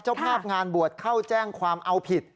เจ้าภาพงานบวชเข้าแจ้งความเอาผิด